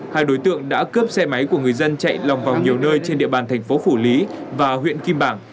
hai đối tượng đã cướp xe máy của người dân chạy lòng vòng nhiều nơi trên địa bàn thành phố phủ lý và huyện kim bảng